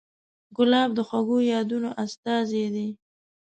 ګلاب د خوږو یادونو استازی دی.